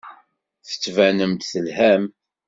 Tettbanem-d telham.